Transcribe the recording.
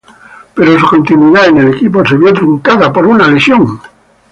Pero su continuidad en el equipo se vio truncada por una lesión.